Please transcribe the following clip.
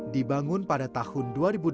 di bangun pada tahun dua ribu delapan